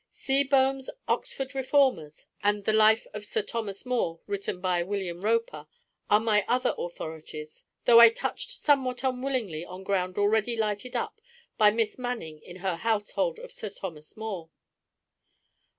Seebohm's Oxford Reformers and the Life of Sir Thomas More, written by William Roper, are my other authorities, though I touched somewhat unwillingly on ground already lighted up by Miss Manning in her Household of Sir Thomas More.